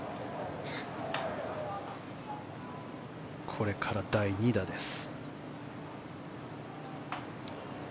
これから第２打です。